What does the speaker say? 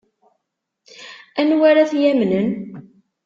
Anwa ara t-yamnen?